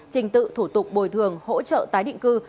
trình tự thủ tục bồi thường hỗ trợ tái định cư